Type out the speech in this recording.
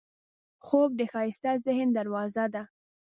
خوب د ښایسته ذهن دروازه ده